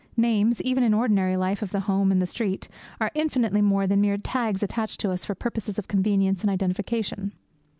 Names, even in the ordinary life of the home and the street, are infinitely more than mere tags attached to us for purposes of convenience and identification.